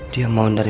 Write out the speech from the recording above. dia mau nerima aku